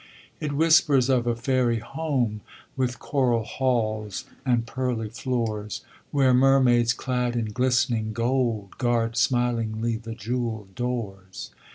It whispers of a fairy home With coral halls and pearly floors, Where mermaids clad in glist'ning gold Guard smilingly the jeweled doors.